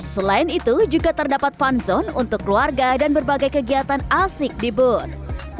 selain itu juga terdapat fun zone untuk keluarga dan berbagai kegiatan asik di booth